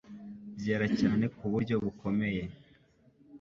Byera cyane ku buryo bukomeye